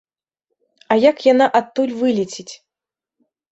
А як яна адтуль вылеціць?